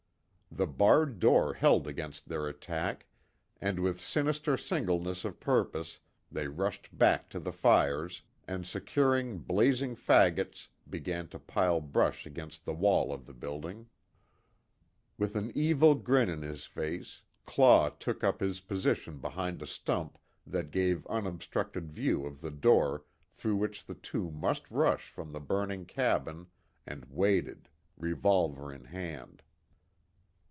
The barred door held against their attack, and with sinister singleness of purpose they rushed back to the fires, and securing blazing fagots, began to pile brush against the wall of the building. With an evil grin on his face, Claw took up his position behind a stump that gave unobstructed view of the door through which the two must rush from the burning cabin, and waited, revolver in hand.